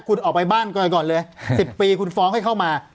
คุณออกไปบ้านก่อนเลย๑๐ปีคุณฟ้องให้เข้ามา